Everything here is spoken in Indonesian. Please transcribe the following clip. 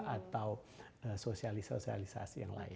atau sosialisasi sosialisasi yang lain